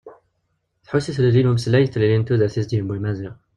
Tesḥus i tlelli n umeslay d tlelli n tudert i as-d-yewwi Maziɣ.